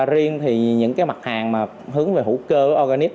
riêng thì những mặt hàng hướng về hữu cơ organic